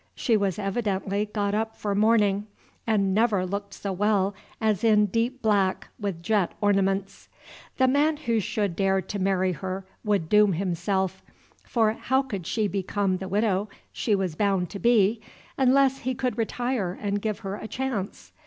She was evidently got up for mourning, and never looked so well as in deep black, with jet ornaments. The man who should dare to marry her would doom himself; for how could she become the widow she was bound to be, unless he could retire and give her a chance?